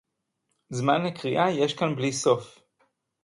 זַמֵן לִקְרִיאָה יֵש כָּאן בַּלִי סוֹף